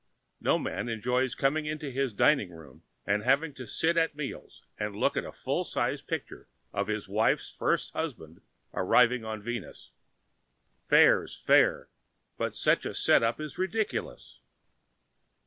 No man enjoys coming into his dining room and having to sit at meals and look at a full sized picture of his wife's first husband arriving on Venus. Fair's fair, but such a set up is ridiculous.